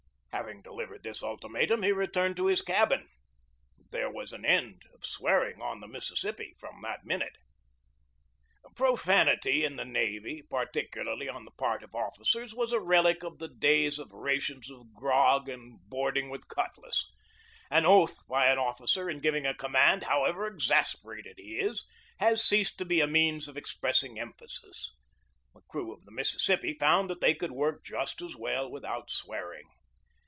Having delivered this ultimatum he returned to his cabin. There was an end of swearing on the Mississippi from that minute. Profanity in the navy, particularly on the part of officers, was a relic of the days of rations of grog and boarding with the cutlass. An oath by an officer in giving a command, however exasperated he is, has ceased to be a means of expressing emphasis. The crew of the Mississippi found that they could work just as well without swearing.